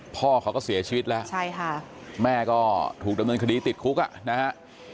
พ่อเขาก็เสียชีวิตแล้วใช่ค่ะแม่ก็ถูกดำเนินคดีติดคุกอ่ะนะฮะ